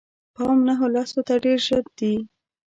پام نهه لسو ته ډېر نژدې دي.